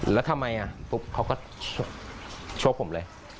แล้วทำไมปุ๊บเขาก็ชกผมเลย